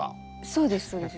そうですそうです。